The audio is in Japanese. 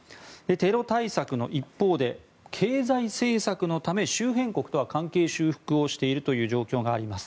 テロ対策の一方で経済政策のため周辺国とは関係修復をしているという状況があります。